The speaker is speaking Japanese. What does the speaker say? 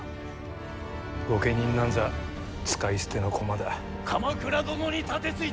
御家人なんざ使い捨ての駒だ。